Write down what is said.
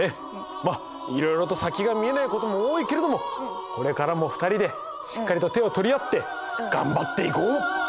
まっいろいろと先が見えないことも多いけれどもこれからも２人でしっかりと手を取り合って頑張っていこう！